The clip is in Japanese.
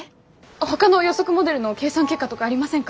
ほかの予測モデルの計算結果とかありませんか？